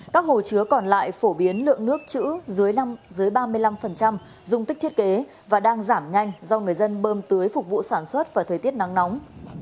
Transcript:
các hồ chứa còn lại phổ biến lượng nước chữ dưới ba mươi năm dung tích thiết kế và đang giảm nhanh do người dân bơm tưới phục vụ sản xuất và thời tiết nắng nóng